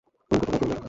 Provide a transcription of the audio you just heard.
অনেক উপকার করলেন।